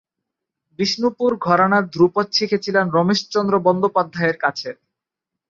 বিষ্ণুপুর ঘরানার ধ্রুপদ শিখেছিলেন রমেশচন্দ্র বন্দ্যোপাধ্যায়ের কাছে।